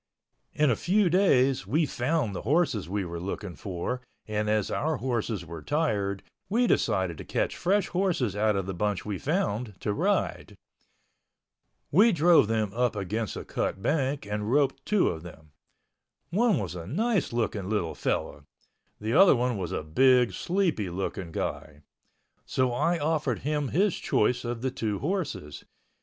In a few days we found the horses we were looking for, and as our horses were tired, we decided to catch fresh horses out of the bunch we found to ride. We drove them up against a cut bank and roped two of them. One was a nice looking little fellow—the other one was a big, sleepy looking guy. So I offered him his choice of the two horses.